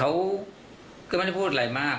แต่ก็คิดว่าเป็นใครหรอก